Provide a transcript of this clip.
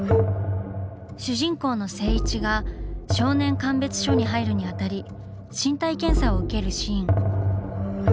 主人公の静一が少年鑑別所に入るにあたり身体検査を受けるシーン。